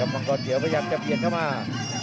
มังกรเขียวพยายามจะเบียดเข้ามา